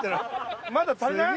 ・まだ足りない？